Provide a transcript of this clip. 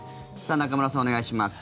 中村さん、お願いします。